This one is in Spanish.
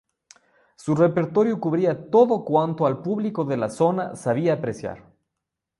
Su repertorio cubría todo cuanto el público de la zona sabía apreciar.